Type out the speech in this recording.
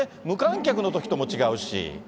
無観客のときとも違うし。